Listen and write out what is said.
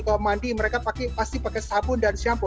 kalau mandi mereka pasti pakai sabun dan shampu